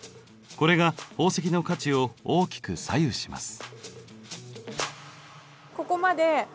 これが宝石の価値を大きく左右します。